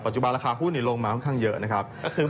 ปัจจุบาลำคาหู้เนยลงมาก็ค่อนข้างเยอะนะครับ